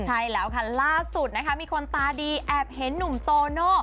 ใช่แล้วค่ะล่าสุดนะคะมีคนตาดีแอบเห็นหนุ่มโตโน่